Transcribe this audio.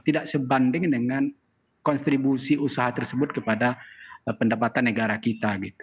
tidak sebanding dengan konstribusi usaha tersebut kepada pendapatan negara kita